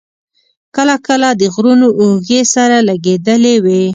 کله کله د غرونو اوږې سره لګېدلې وې.